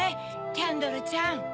キャンドルちゃん。